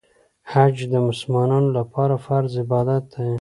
حج د مسلمانانو لپاره فرض عبادت دی.